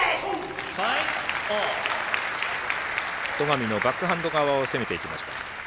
戸上のバックハンド側を攻めていきました。